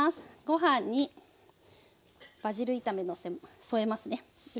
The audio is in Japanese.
ご飯にバジル炒め添えますねよいしょ。